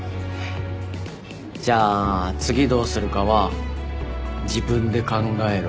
じゃあ次どうするかは自分で考えろよ。